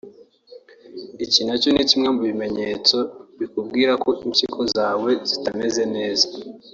Iki nacyo ni kimwe mu bimenyetso bikubwira ko impyiko zawe zitameze neza